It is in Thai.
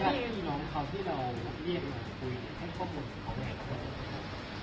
ว่านี่น้องเค้าที่เราแลกเลี่ยงกันขึ้น